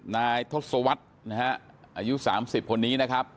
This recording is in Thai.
นายทศวรรษนะฮะอายุ๓๐คนนี้นะครับ